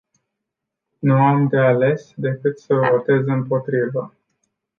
Nu am de ales decât să votez împotrivă.